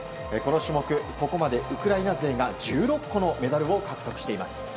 この種目ここまでウクライナ勢が１６個のメダルを獲得しています。